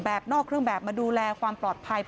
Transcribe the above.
โชว์บ้านในพื้นที่เขารู้สึกยังไงกับเรื่องที่เกิดขึ้น